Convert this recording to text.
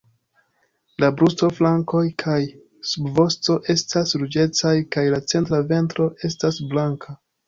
La brusto, flankoj kaj subvosto estas ruĝecaj, kaj la centra ventro estas blanka.